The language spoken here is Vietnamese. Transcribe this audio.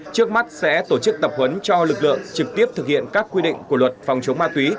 trước mắt sẽ tổ chức tập huấn cho lực lượng trực tiếp thực hiện các quy định của luật phòng chống ma túy